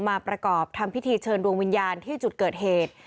มาประกอบทำพิธีเชิญดวงวิญญาณที่จุดเกิดเหตุ